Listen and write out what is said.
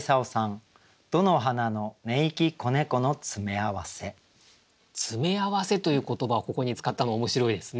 「詰め合わせ」という言葉をここに使ったのは面白いですね。